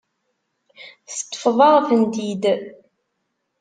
Teṭṭfeḍ-aɣ-tent-id.